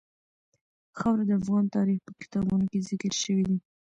خاوره د افغان تاریخ په کتابونو کې ذکر شوی دي.